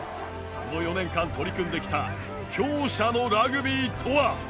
この４年間、取り組んできた強者のラグビーとは？